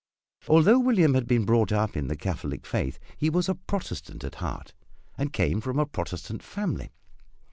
Although William had been brought up in the Catholic faith he was a Protestant at heart, and came from a Protestant family.